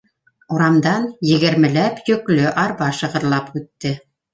Урамдан егермеләп йөклө арба шығырлап үтте.